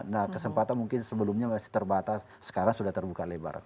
nah kesempatan mungkin sebelumnya masih terbatas sekarang sudah terbuka lebar